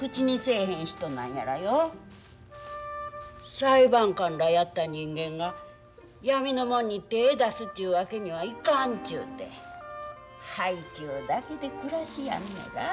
裁判官らやった人間がやみのもんに手ぇ出すちゅうわけにはいかんちゅうて配給だけで暮らしやんねら。